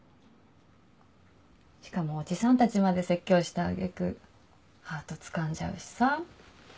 しかもおじさんたちまで説教した揚げ句ハートつかんじゃうしさ。